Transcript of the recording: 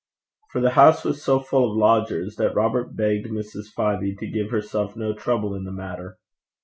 For the house was so full of lodgers, that Robert begged Mrs. Fyvie to give herself no trouble in the matter.